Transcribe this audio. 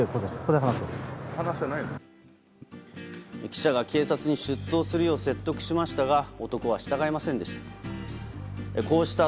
記者が警察に出頭するよう説得しましたが男は従いませんでした。